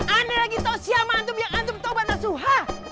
ani lagi tau siapa antum yang antum tobat nasuhah